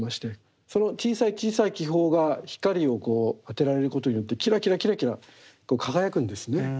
その小さい小さい気泡が光を当てられることによってきらきらきらきら輝くんですね。